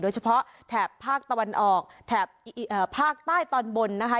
แถบภาคตะวันออกแถบภาคใต้ตอนบนนะคะ